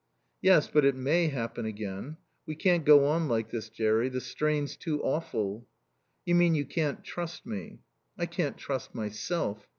"Yes, but it may happen again. We can't go on like this, Jerry. The strain's too awful." "You mean you can't trust me." "I can't trust myself.